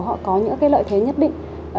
họ có những cái lợi thế nhất định